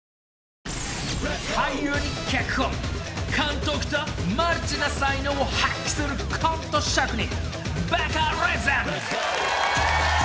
［俳優に脚本監督とマルチな才能を発揮するコント職人］